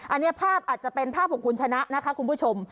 อันนี้ภาพอาจจะเป็นภาพของคุณชนะนะคะคุณผู้ชม